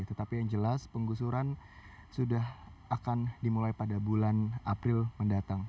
tetapi yang jelas penggusuran sudah akan dimulai pada bulan april mendatang